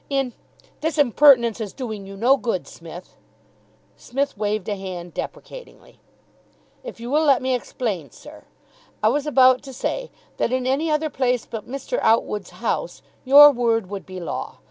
In '" "This impertinence is doing you no good, Smith." Psmith waved a hand deprecatingly. "If you will let me explain, sir. I was about to say that in any other place but Mr. Outwood's house, your word would be law.